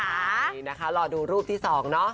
สวัสดีนะคะรอดูรูปที่สองเนาะ